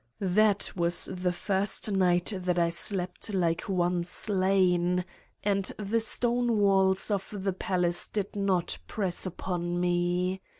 That was the first night that I slept like one slain and the stone walls of the palace did not press upon me.